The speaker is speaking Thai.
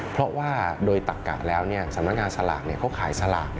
เพราะว่าโดยตักกะแล้วสำนักงานสลากเขาขายสลาก